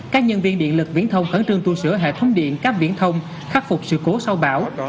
các nhân viên điện lực viễn thông khẩn trương tu sửa hệ thống điện cáp viễn thông khắc phục sự cố sau bão